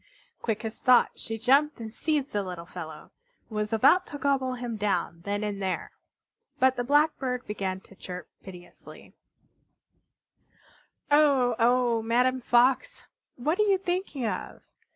Quick as thought she jumped and seized the little fellow, and was about to gobble him down then and there. But the Blackbird began to chirp piteously: "Oh, oh, Madame Fox! What are you thinking of?